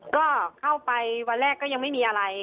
ก็เข้าไปวันแรกก็ยังไม่มีอะไร